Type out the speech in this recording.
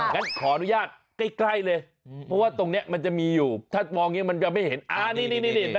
งั้นขออนุญาตใกล้เลยเพราะว่าตรงนี้มันจะมีอยู่ถ้ามองอย่างนี้มันจะไม่เห็นอ่านี่